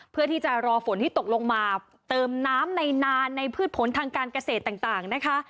เพื่อที่จะรอฝนที่ตกลงมาเติมน้ำในนานในพืชผลทางการเกษตรต่างนะคะ